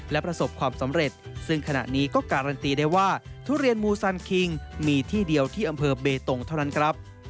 และประสบความสำเร็จซึ่งขณะนี้ก็การันตีได้ว่าทุเรียนมูซันคิงมีที่เดียวที่อำเภอเบตงเท่านั้นครับ